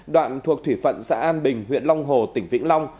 đoạn thuộc thủy phận xã an bình huyện long hồ tỉnh vĩnh long